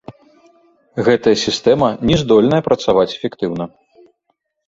Гэтая сістэма не здольная працаваць эфектыўна.